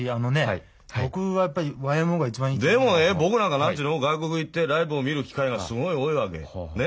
僕なんか何ていうの外国行ってライブを見る機会がすごい多いわけね。